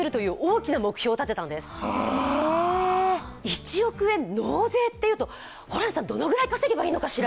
１億円、納税っていうとホランさん、どれくらい稼げばいいのかしら？